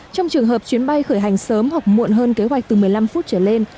trong trường hợp chuyến bay khởi hành sớm hoặc muộn hơn kế hoạch từ một mươi năm phút trở lên